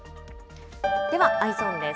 ではＥｙｅｓｏｎです。